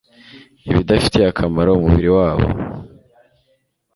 ibidafitiye akamaro umubiri wabo